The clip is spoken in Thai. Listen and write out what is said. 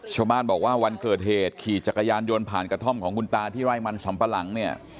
ชาวบ้านบอกว่าวันเกิดเหตุขี่จักรยานยนต์ผ่านกระท่อมของคุณตาที่ไร่มันสำปะหลังเนี่ย